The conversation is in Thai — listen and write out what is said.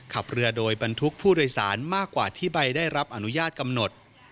ขับเรือโดยบรรทุกผู้โดยสารมากกว่าที่ใบได้รับอนุญาตกำหนด